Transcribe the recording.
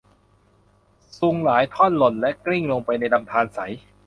ซุงหลายท่อนหล่นและกลิ้งลงไปในลำธารใส